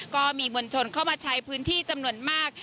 ก็มีมวลชนเข้ามาใช้พื้นที่จำนวนมาก